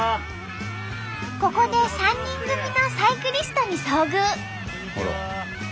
ここで３人組のサイクリストに遭遇！